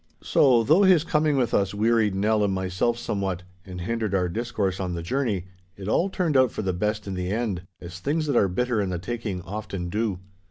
So, though his coming with us wearied Nell and myself somewhat and hindered our discourse on the journey, it all turned out for the best in the end, as things that are bitter in the taking often do.